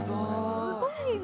すごいな。